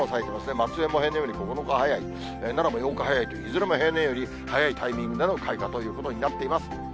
松江も平年より９日早い、奈良も８日早いという、いずれも平年より早いタイミングでの開花ということになっています。